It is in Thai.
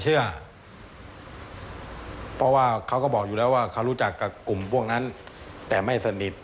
เชื่อเพราะว่าเขาก็บอกอยู่แล้วว่าเขารู้จักกับกลุ่มพวกนั้นแต่ไม่สนิท